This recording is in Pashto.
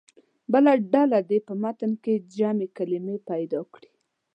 بله ډله دې په متن کې جمع کلمې پیدا کړي.